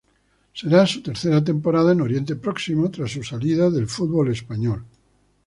Será su tercera temporada en Oriente Próximo tras su salida del fútbol español.